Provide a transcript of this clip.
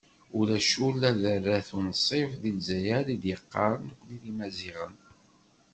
Ulac ula d arrat unṣib deg Lezzayer, i d-yaqqaren nekni d Imaziɣen.